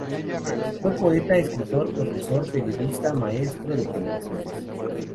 Fue poeta, escritor, profesor, periodista, maestro de generaciones.